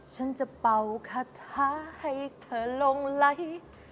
ฉันจะเป่าคาถาให้เธอลงไหล